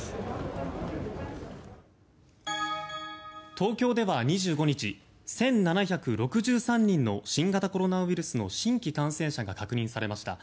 東京では２５日１７６３人の新型コロナウイルスの新規感染者が確認されました。